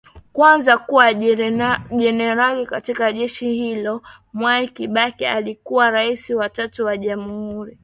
kwanza kuwa jenerali katika jeshi hiloMwai Kibaki alikuwa rais wa tatu wa Jamhuri